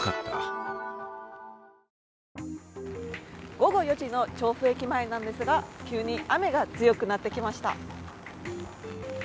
午後４時の調布駅前なんですが急に雨が強くなってきました。